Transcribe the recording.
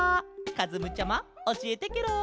かずむちゃまおしえてケロ！